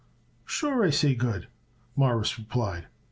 "Sure, I say, 'good'," Morris replied.